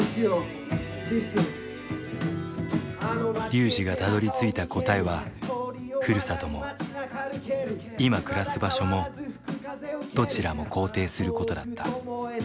龍司がたどりついた答えはふるさとも今暮らす場所もどちらも肯定することだった。